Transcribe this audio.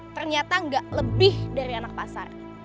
ternyata nggak lebih dari anak pasar